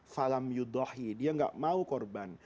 falam yudhahi dia nggak mau korban